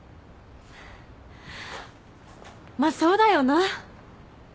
まっそうだよな